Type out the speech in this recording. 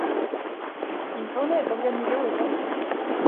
Une tournée est organisée au Japon.